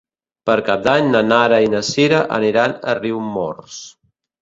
Per Cap d'Any na Nara i na Sira aniran a Riumors.